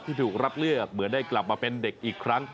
ที่ถูกรับเลือกเหมือนได้กลับมาเป็นเด็กอีกครั้ง